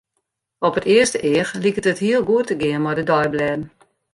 Op it earste each liket it heel goed te gean mei de deiblêden.